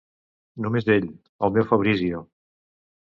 Només ell, el meu Fabrizio...